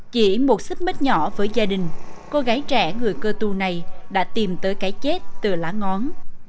chỉ một xích mít nhỏ với gia đình cô gái trẻ người cơ tu này đã tìm tới cái chết từ lá ngón